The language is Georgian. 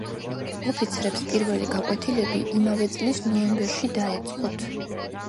ოფიცრებს პირველი გაკვეთილები იმავე წლის ნოემბერში დაეწყოთ.